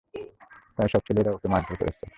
তাই, সব ছেলেরা ওকে মারধর করেছে।